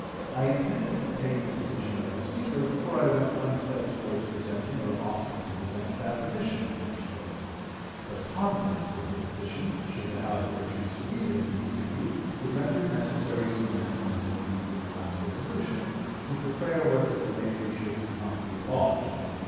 I intended to take the decision of the Speaker before I went one step towards presenting or offering to present that petition." The contents of the petition, should the House ever choose to read it, he continued, would render necessary some amendments at least in the last resolution, since the prayer was that slavery should not be abolished!"